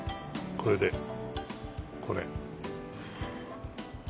これでこれ。